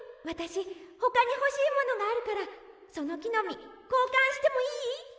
わたしほかにほしいものがあるからそのきのみこうかんしてもいい？